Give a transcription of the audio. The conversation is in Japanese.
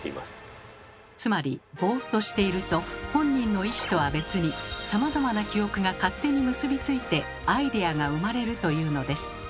つまりボーっとしていると本人の意思とは別にさまざまな記憶が勝手に結びついてアイデアが生まれるというのです。